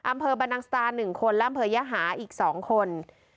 อำเภอบรรดังสตาร์๑คนและอำเภยหาอีก๒คน